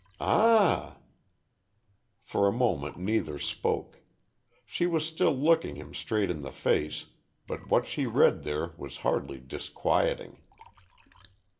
"Ah!" For a moment neither spoke. She was still looking him straight in the face, but what she read there was hardly disquieting.